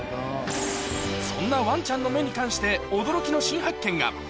そんなわんちゃんの目に関して、驚きの新発見が。